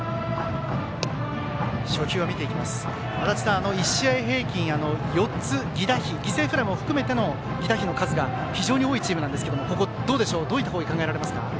足達さん、１試合平均４つ犠牲フライも含めての犠打飛の数が非常に多いチームなんですがどういった攻撃が考えられますか。